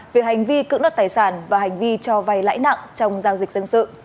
về hành vi cưỡng đoạt tài sản và hành vi cho vay lãi nặng trong giao dịch dân sự